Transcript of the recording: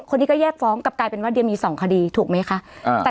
คนนี้ก็แยกฟ้องกลับกลายเป็นว่าเดียมี๒คดีถูกไหมคะ